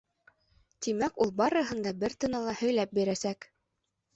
- Тимәк, ул барыһын да бер тынала һөйләп бирәсәк.